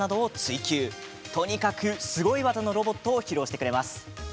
とにかくすごい技のロボットを披露してくれます。